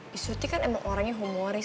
bi surti kan emang orangnya humoris